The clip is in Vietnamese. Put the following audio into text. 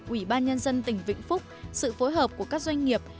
ủy ban nhân dân tỉnh vĩnh phúc sự phối hợp của các doanh nghiệp